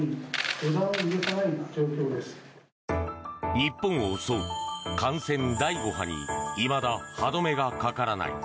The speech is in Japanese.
日本を襲う感染第５波にいまだ歯止めがかからない。